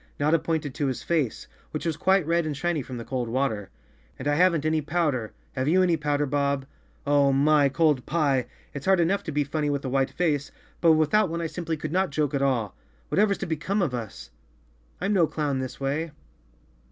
Notta pointed to his face, which was quite red and shiny from the cold water. "And I haven't any powder! Have you any powder, Bob? Oh, my! Cold pie! It's hard enough to be funny with a white face, but without one I simply could not joke at all. Whatever's to become of us? I'm no clown this way."